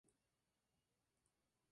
Esto hizo que se cancelara el rodaje.